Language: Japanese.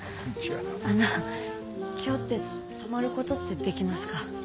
あの今日って泊まることってできますか？